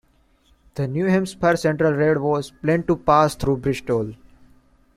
The New Hampshire Central Railroad was planned to pass through Bristol.